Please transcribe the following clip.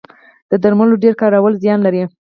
د درملو ډیر کارول زیان لري